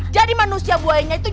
jadi manusia bu aya itu